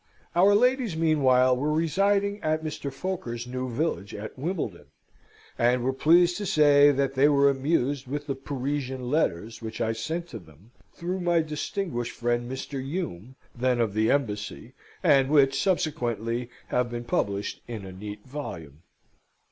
Our ladies, meanwhile, were residing at Mr. Foker's new villa at Wimbledon, and were pleased to say that they were amused with the "Parisian letters" which I sent to them, through my distinguished friend Mr. Hume, then of the Embassy, and which subsequently have been published in a neat volume.